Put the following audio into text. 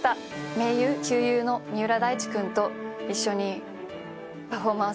盟友旧友の三浦大知君と一緒にパフォーマンスをします。